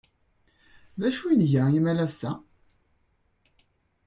D acu ay nga imalas-a?